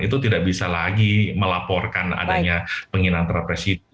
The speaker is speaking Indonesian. itu tidak bisa lagi melaporkan adanya penghinaan terhadap presiden